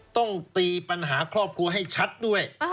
ต้องตีปัญหาครอบครัวให้ชัดด้วย